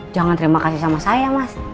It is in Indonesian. jangan terima kasih sama saya mas